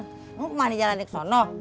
kamu ke mana jalan di sono